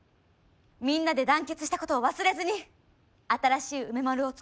みんなで団結したことを忘れずに新しい梅丸を作ってほしい。